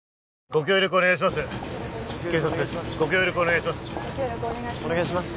ご協力お願いします